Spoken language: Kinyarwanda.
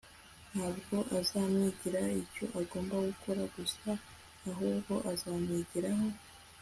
ntabwo azamwigiraho icyo agomba gukora gusa ahubwo azamwigiraho